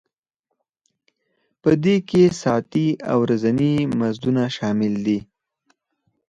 په دې کې ساعتي او ورځني مزدونه شامل دي